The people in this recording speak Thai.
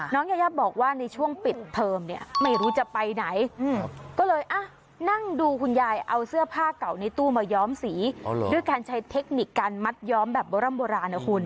ยายาบอกว่าในช่วงปิดเทอมเนี่ยไม่รู้จะไปไหนก็เลยนั่งดูคุณยายเอาเสื้อผ้าเก่าในตู้มาย้อมสีด้วยการใช้เทคนิคการมัดย้อมแบบโบร่ำโบราณนะคุณ